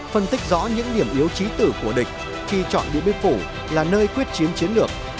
phân tích rõ những điểm yếu trí tử của địch khi chọn điện biên phủ là nơi quyết chiến chiến lược